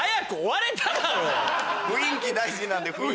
雰囲気大事なんで。